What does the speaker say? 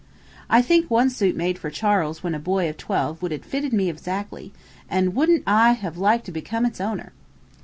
I think one suit made for Charles when a boy of twelve would have fitted me exactly; and wouldn't I have liked to become its owner!